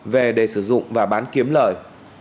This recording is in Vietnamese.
về để sử dụng và bán kiếm lời